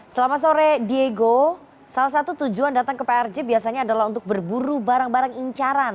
selama sore diego salah satu tujuan datang ke prj biasanya adalah untuk berburu barang barang incaran